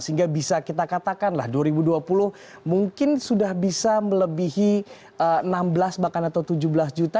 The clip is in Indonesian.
sehingga bisa kita katakanlah dua ribu dua puluh mungkin sudah bisa melebihi enam belas bahkan atau tujuh belas juta